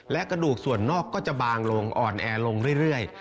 และกระดูกส่วนนอกก็จะบางลงอ่อนแอลงเรื่อย